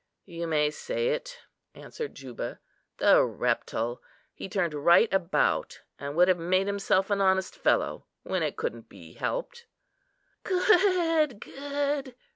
"You may say it," answered Juba. "The reptile! he turned right about, and would have made himself an honest fellow, when it couldn't be helped." "Good, good!"